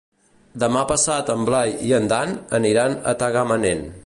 Demà passat en Blai i en Dan aniran a Tagamanent.